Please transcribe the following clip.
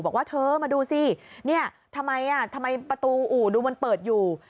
บอกว่าเธอมาดูสิเนี่ยทำไมทำไมประตูอู่ดูมันเปิดอยู่